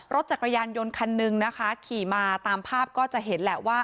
รถจักรยานยนต์คันหนึ่งนะคะขี่มาตามภาพก็จะเห็นแหละว่า